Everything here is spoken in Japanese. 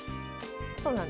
そうなんですよね。